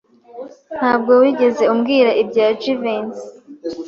Ntabwo wigeze umbwira ibya Jivency.